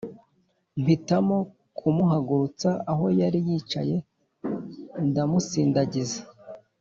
mpitamo kumuhagurutsa aho yari yicaye ndamusindagiza